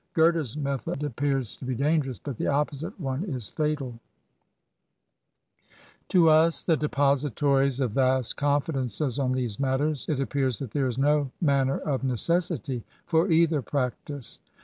Gothe's method appears to be dangerous ; but the opposite one is fataL To us, the depositories of vast confidences on these matters, it appears that there is no manner of necessity jG3r either practice.